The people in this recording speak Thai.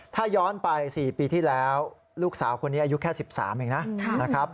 ถ้าย้อนไป๔ปีที่แล้วลูกสาวคนนี้อายุแค่๑๓เองนะครับ